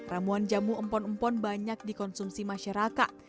ramuan jamu empon empon banyak dikonsumsi masyarakat